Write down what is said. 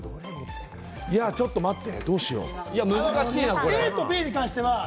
いや、ちょっと待って。